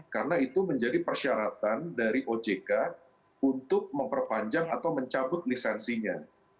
karena itu menjadi persyaratan dari ojk untuk memperpanjang atau mencabut lisensinya